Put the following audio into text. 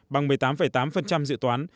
bằng một mươi tám tám dự toán